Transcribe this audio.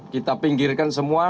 kita pinggirkan semua